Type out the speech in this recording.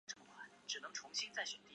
广东学生的此种现象较严重。